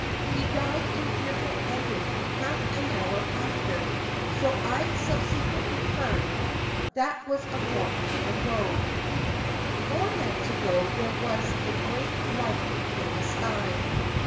He died in fearful agony half an hour after, so I subse quently heard. That was a fortnight ago. Four nights ago there was a great light in the sky.